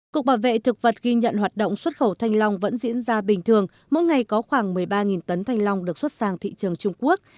cục bảo vệ thực vật ghi nhận hoạt động xuất khẩu thanh long vẫn diễn ra bình thường mỗi ngày có khoảng một mươi ba tấn thanh long được xuất sang thị trường trung quốc